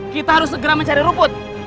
kita harus segera mencari rumput